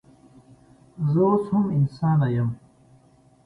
زه اوس هم انسانه یم